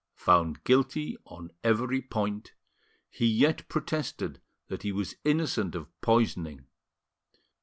Found guilty on every point, he yet protested that he was innocent of poisoning.